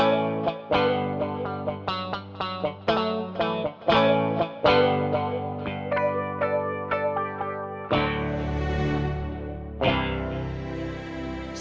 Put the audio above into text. terima kasih om